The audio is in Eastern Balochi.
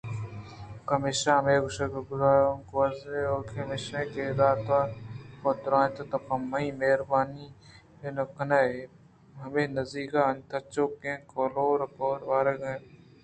پمیشا ہمے کِشک ءَ گوٛزوکیں میش ئِے ءَ را توارے کُتءُدرّائینت تو پہ من مہربانی ئِے نہ کن ئے ءُ ہمے نزّیک ءِ تچوکیں کُہہ کور ءَ ورگ ءَ آپ نیارئے؟